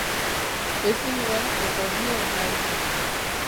Ezin nuen eta ez nuen nahi.